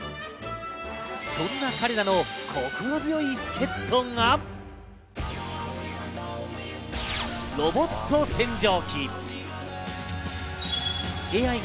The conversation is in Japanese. そんな彼らの心強い助っ人が。